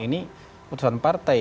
ini putusan partai